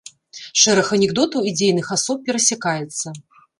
Шэраг анекдотаў і дзейных асоб перасякаецца.